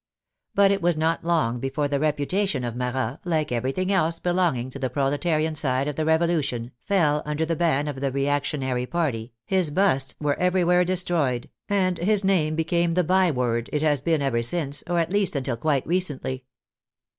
But it was not long before the reputation of Marat, like everything else belonging to the Proletarian side of the Revolution, fell under the ban of the reactionary party, his busts were everywhere destroyed, and his name became the byword it has been ever since, or at least until quite recently.